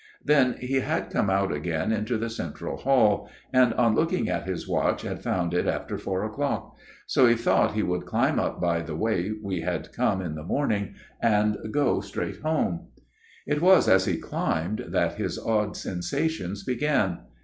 Then he had come out again into the central hall ; and on looking at his watch had found it after four o'clock ; so he thought he would climb up by the way we had come in the morning and go straight home. " It was as he climbed that his odd sensations began.